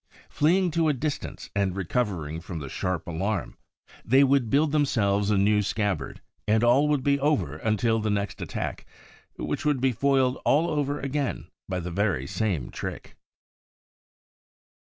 Fleeing to a distance and recovering from the sharp alarm, they would build themselves a new scabbard, and all would be over until the next attack, which would be foiled all over again by the very same trick!